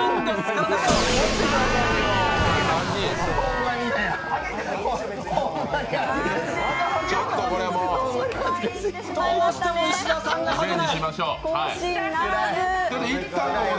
どうしても石田さんができない。